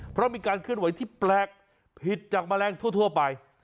เพราะมีการเคลื่อนไหวที่แปลกผิดจากแมลงทั่วไป